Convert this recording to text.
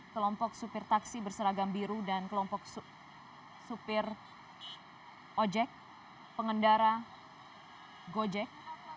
kelompok supir taksi berseragam biru dan kelompok supir ojek pengendara gojek